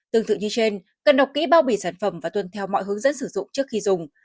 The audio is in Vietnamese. tương tự như trên cần đọc kỹ bao bì sản phẩm và tuân theo mọi hướng dẫn sử dụng trước khi dùng